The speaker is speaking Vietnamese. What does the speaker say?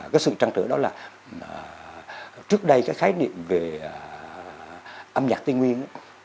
cái sự trăng trở đó là trước đây cái khái niệm về âm nhạc tây nguyên